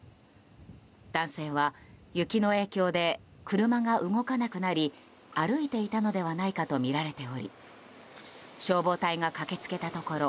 男性は雪の影響で車が動かなくなり歩いていたのではないかとみられており消防隊が駆け付けたところ